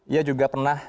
ia juga pernah